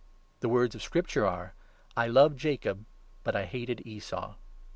The words of Scripture 13 are —' I loved Jacob, but I hated Esau.'